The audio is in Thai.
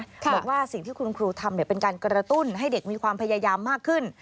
บอกว่าสิ่งที่คุณครูทำเป็นการกระตุ้นให้เด็กมีความพยายามมากขึ้น